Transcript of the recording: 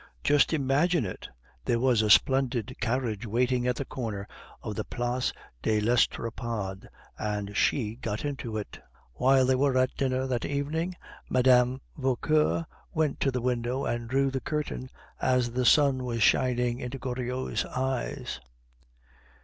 Just imagine it! There was a splendid carriage waiting at the corner of the Place de l'Estrapade, and she got into it." While they were at dinner that evening, Mme. Vauquer went to the window and drew the curtain, as the sun was shining into Goriot's eyes.